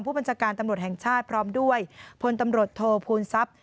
ผู้บัญชาการตำรวจแห่งชาติพร้อมด้วยพลตำรวจโทษภูมิทรัพย์